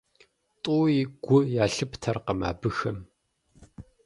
ТӀууи гу ялъыптэркъым абыхэм.